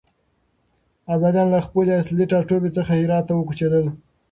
ابداليان له خپل اصلي ټاټوبي څخه هرات ته وکوچېدل.